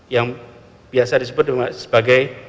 yang biasa disebut sebagai